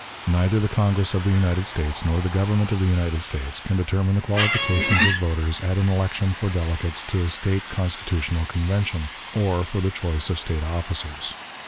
Neither the Congress of the United States nor the Government of the United States can determine the qualifications of voters at an election for delegates to a State Constitutional Convention, or for the choice of State officers.